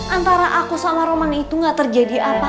antara aku sama roman itu gak terjadi apa